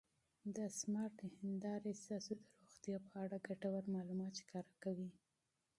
دا سمارټ هېندارې ستاسو د روغتیا په اړه ګټور معلومات ښکاره کوي.